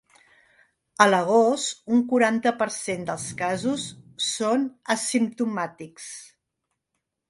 A l'agost, un quaranta per cent dels casos són asimptomàtics.